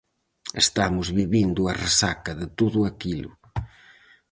Estamos vivindo a resaca de todo aquilo.